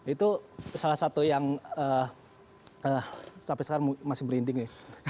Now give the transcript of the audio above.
itu salah satu yang sampai sekarang masih merinding nih